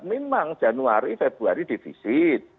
memang januari februari divisi